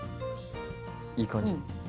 いい感じ。